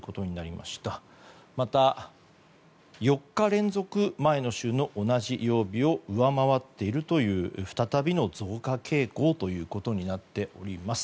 また、４日連続前の週の同じ曜日を上回っているという再びの増加傾向ということになっております。